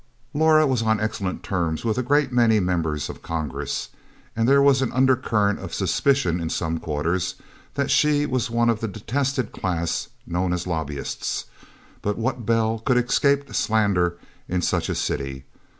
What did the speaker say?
Laura was on excellent terms with a great many members of Congress, and there was an undercurrent of suspicion in some quarters that she was one of that detested class known as "lobbyists;" but what belle could escape slander in such a city?